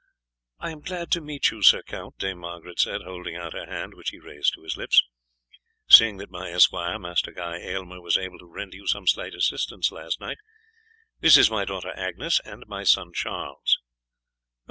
"I am glad to meet you, Sir Count," Dame Margaret said, holding out her hand, which he raised to his lips, "seeing that my esquire, Master Guy Aylmer, was able to render you some slight service last night. This is my daughter Agnes, and my son Charles."